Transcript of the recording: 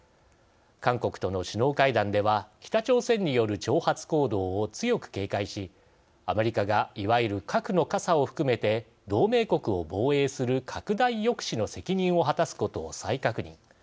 韓国との首脳会談では北朝鮮による挑発行動を強く警戒しアメリカがいわゆる核の傘を含めて同盟国を防衛する拡大抑止の責任を果たすことを再確認。